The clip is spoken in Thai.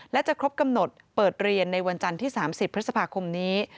และจะครบกำหนดเปิดเรียนในวันจันทร์ที่๓๐พฤษภาคมนี้